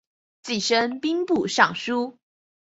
继升兵部尚书。